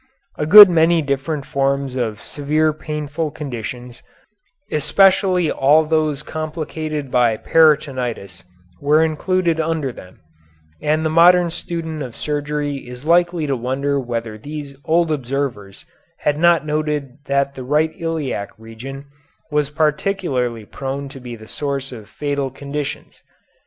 A good many different forms of severe painful conditions, especially all those complicated by peritonitis, were included under the term, and the modern student of surgery is likely to wonder whether these old observers had not noted that the right iliac region was particularly prone to be the source of fatal conditions.